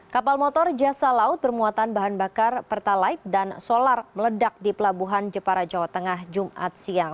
kapal motor jasa laut bermuatan bahan bakar pertalite dan solar meledak di pelabuhan jepara jawa tengah jumat siang